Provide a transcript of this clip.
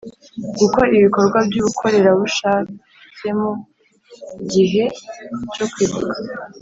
Gukora ibikorwa by’ubukorerabushakemu gihe cyo kwibuka